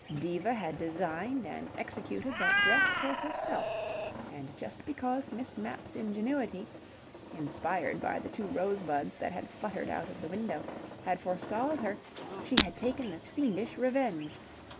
Diva had designed and executed that dress for herself, and just because Miss Mapp's ingenuity (inspired by the two rosebuds that had fluttered out of the window) had forestalled her, she had taken this fiendish revenge.